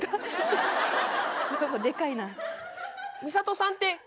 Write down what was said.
でかいな。